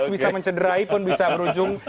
bisa mencederai pun bisa berujung